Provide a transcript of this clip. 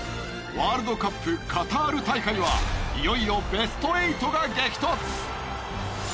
ワールドカップカタール大会はいよいよベスト８が激突。